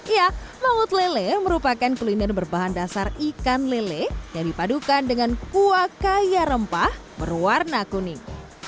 ya laut lele merupakan kuliner berbahan dasar ikan lele yang dipadukan dengan kuah kaya rempah berwarna kuning